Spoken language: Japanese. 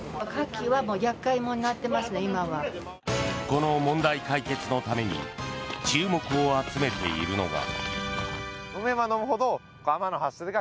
この問題解決のために注目集めているのが。